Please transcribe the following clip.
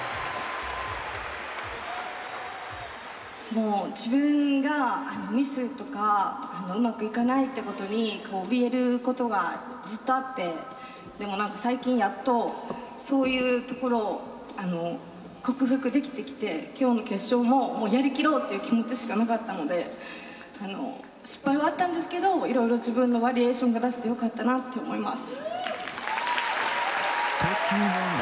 もう自分がミスとかうまくいかないってことにおびえることがずっとあってでも何か最近やっとそういうところを克服できてきて今日の決勝もやりきろうという気持ちしかなかったのであの失敗はあったんですけどいろいろ自分のバリエーションが出せてよかったなって思います。